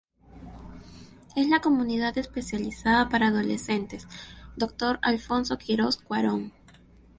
Es la Comunidad Especializada para Adolescentes "Dr. Alfonso Quiroz Cuarón".